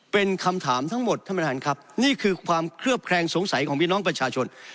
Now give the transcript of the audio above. เป็นคำถามทั้งหมดท่านประธานครับนี่คือความเคลือบแคลงสงสัยของพี่น้องประชาชน